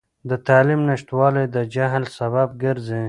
د تعلیم نشتوالی د جهل سبب ګرځي.